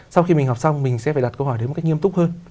sau khi mình học xong mình sẽ phải đặt câu hỏi đến một cách nghiêm túc hơn